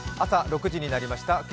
朝６時になりました。